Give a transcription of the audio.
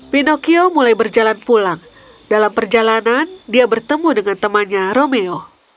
pinocchio mulai berjalan pulang dalam perjalanan dia bertemu dengan temannya romeo